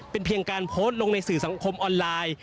เป็นเพียงการโพสต์ลงในสื่อสังคมออนไลน์